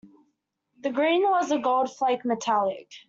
The green was a gold flake metallic.